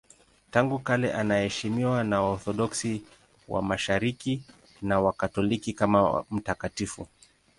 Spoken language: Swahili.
Tangu kale anaheshimiwa na Waorthodoksi wa Mashariki na Wakatoliki kama mtakatifu.